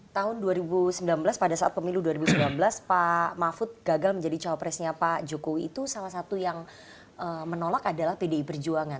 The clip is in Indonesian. tahun dua ribu sembilan belas pada saat pemilu dua ribu sembilan belas pak mahfud gagal menjadi cowok presnya pak jokowi itu salah satu yang menolak adalah pdi perjuangan